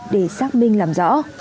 để xác minh làm rõ